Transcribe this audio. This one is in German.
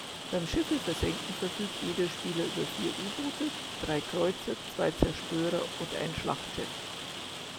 Beim Schiffe versenken verfügt jeder Spieler über vier U-Boote, drei Kreuzer, zwei Zerstörer und ein Schlachtschiff.